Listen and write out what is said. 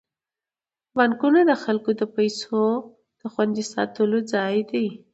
بانکونه د خلکو د پيسو خوندي ساتلو ځای دی.